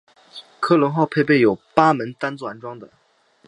科隆号配备有八门单座安装的。